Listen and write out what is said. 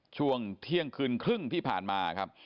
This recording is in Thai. ช่วงเที่ยงคืนครึ่งที่ผ่านมาครับ